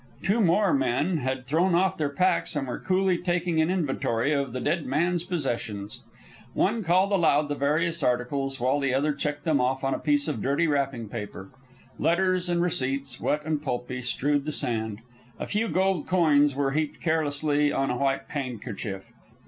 Two more men had thrown off their packs and were coolly taking an inventory of the dead man's possessions. One called aloud the various articles, while the other checked them off on a piece of dirty wrapping paper. Letters and receipts, wet and pulpy, strewed the sand. A few gold coins were heaped carelessly on a white handkerchief.